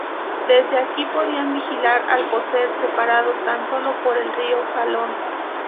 Desde aquí podían vigilar Alcocer separados tan solo por el río Jalón.